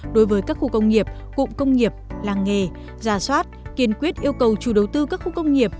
đối với các khu công nghiệp cụm công nghiệp làng nghề giả soát kiên quyết yêu cầu chủ đầu tư các khu công nghiệp